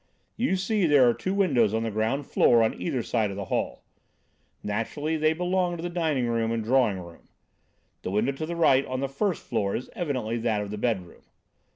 You see there are two windows on the ground floor on either side of the hall. Naturally they belong to the dining room and drawing room. The window to the right on the first floor is evidently that of the bedroom.